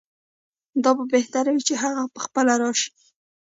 دا به بهتره وي چې هغه پخپله راشي.